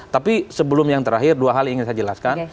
tapi sebelum yang terakhir dua hal yang ingin saya jelaskan